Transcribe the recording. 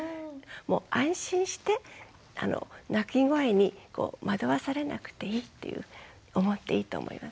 安心して泣き声に惑わされなくていいっていう思っていいと思いますよ。